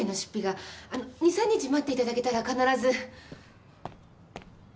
あの２３日待っていただけたら必ず。